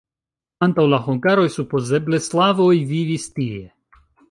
Antaŭ la hungaroj supozeble slavoj vivis tie.